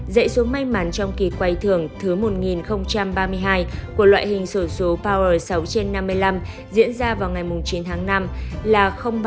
dãy số may mắn trong kỳ quay thường thứ một nghìn ba mươi hai của loại hình sổ số power sáu trên năm mươi năm diễn ra vào ngày chín tháng năm là ba một sáu hai một ba sáu ba bảy bốn không